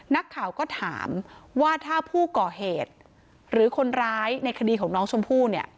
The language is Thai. นักข่าวก็ถามว่าถ้าผู้ก่อเหตุหรือคนร้ายในคดีของน้องชมพู่เนี่ย